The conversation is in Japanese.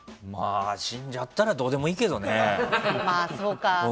死んじゃったらどうでもいいけどね。